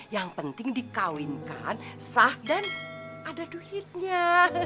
yang penting dikawinkan sah dan ada duitnya